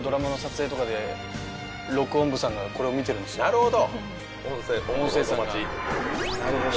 なるほど！